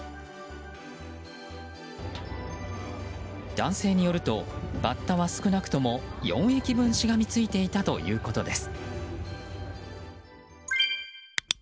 男性によるとバッタは少なくとも４駅分しがみついていたということです。